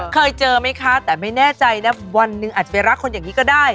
เคยเจอไหมคะแต่ไม่แน่ใจนะวันหนึ่งอาจจะไปรักคนอย่างนี้ก็ได้